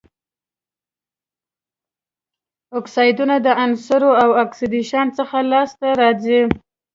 اکسایډونه د عنصرونو له اکسیدیشن څخه لاسته راځي.